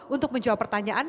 untuk menjawab pertanyaan